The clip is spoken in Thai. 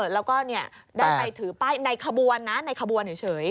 แล้วก็ได้ไปถือป้ายในขบวนนะในขบวนเฉย